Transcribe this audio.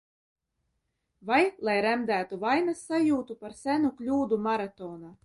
Vai lai remdētu vainas sajūtu par senu kļūdu Maratonā?